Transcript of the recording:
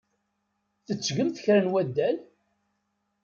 Tettgemt kra n waddal?